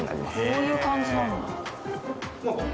こういう感じなんだ。